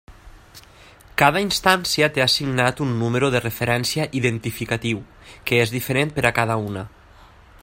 Cada instància té assignat un número de referència identificatiu, que és diferent per a cada una.